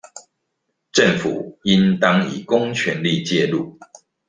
政府應當以公權力介入